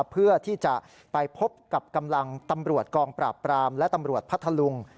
เพื่อที่จะไปพบกับกำลังตำรวจกองปราบปรามและตำรวจพัทธลุง